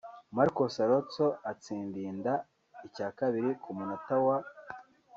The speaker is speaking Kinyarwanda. Marcos Alonso atsindinda icya kabiri ku munota wa '